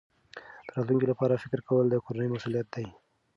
د راتلونکي لپاره فکر کول د کورنۍ مسؤلیت دی.